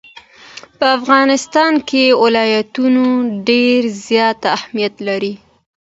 په افغانستان کې ولایتونه ډېر زیات اهمیت لري.